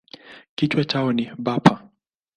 Kichwa chao ni bapa.